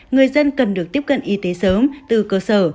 người dân cần được tiếp cận y tế sớm từ cơ sở